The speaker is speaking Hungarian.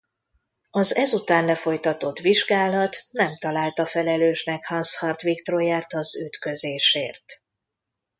Az ezután lefolytatott vizsgálat nem találta felelősnek Hans-Hartwig Trojert az ütközésért.